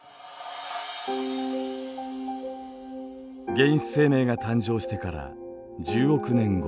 原始生命が誕生してから１０億年後。